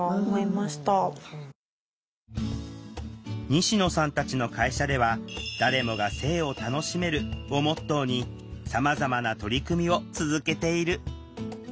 西野さんたちの会社では「誰もが性を楽しめる」をモットーにさまざまな取り組みを続けている。